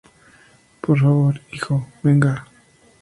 por favor, hijo, venga.